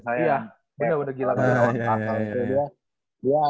dia udah gila banget